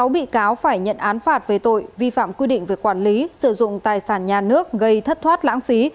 sáu bị cáo phải nhận án phạt về tội vi phạm quy định về quản lý sử dụng tài sản nhà nước gây thất thoát lãng phí